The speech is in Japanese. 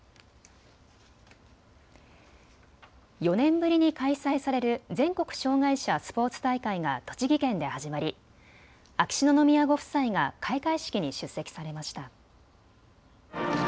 ４年ぶりに開催される全国障害者スポーツ大会が栃木県で始まり秋篠宮ご夫妻が開会式に出席されました。